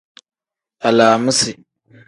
Alaamisi.